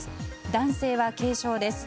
男性は軽傷です。